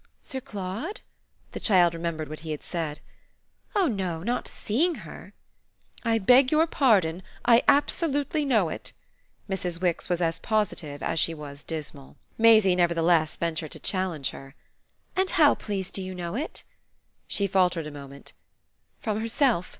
"Sir Claude?" The child remembered what he had said. "Oh no not SEEING her!" "I beg your pardon. I absolutely know it." Mrs. Wix was as positive as she was dismal. Maisie nevertheless ventured to challenge her. "And how, please, do you know it?" She faltered a moment. "From herself.